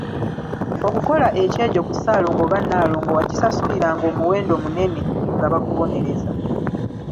Okukola ekyejo ku Ssaalongo oba Nnaalongo wakisasuliranga omuwendo munene nga bakubonereza.